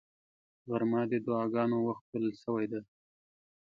غرمه د دعاګانو وخت بلل شوی دی